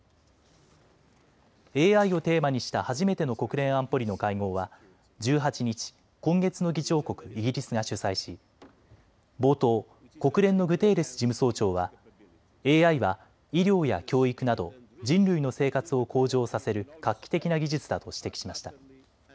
ＡＩをテーマにした初めての国連安保理の会合は１８日、今月の議長国、イギリスが主催し冒頭、国連のグテーレス事務総長はＡＩは医療や教育など人類の生活を向上させる画期的な技術だと指摘しました。